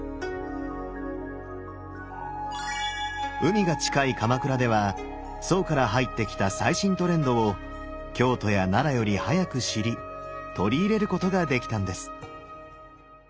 海が近い鎌倉では宋から入ってきた最新トレンドを京都や奈良より早く知り取り入れることができたんです。